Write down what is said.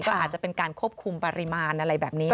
ก็อาจจะเป็นการควบคุมปริมาณอะไรแบบนี้